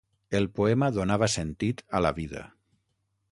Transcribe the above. El poema donava sentit a la vida.